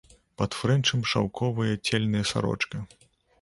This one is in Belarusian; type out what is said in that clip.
Пад фрэнчам шаўковая цельная сарочка.